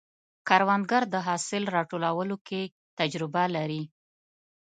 کروندګر د حاصل راټولولو کې تجربه لري